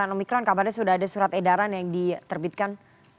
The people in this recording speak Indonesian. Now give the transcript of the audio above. pembebaran pembebaran omicron kabarnya sudah ada surat edaran yang diterbitkan